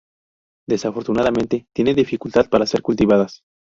Desafortunadamente, tiene dificultad para ser cultivadas.